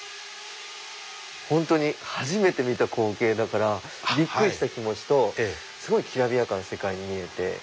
ホントに初めて見た光景だからびっくりした気持ちとすごいきらびやかな世界に見えて。